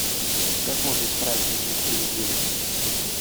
Как можно исправить эту несправедливость?